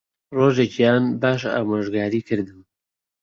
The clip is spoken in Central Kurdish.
ڕۆژێکیان باش ئامۆژگاریی کردم